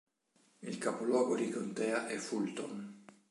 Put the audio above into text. Il capoluogo di contea è Fulton.